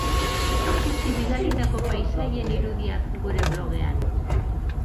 Ikusi bidalitako paisaien irudiak gure blogean.